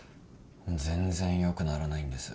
全然良くならないんです。